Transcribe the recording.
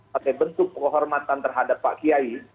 pakai bentuk penghormatan terhadap pak kiai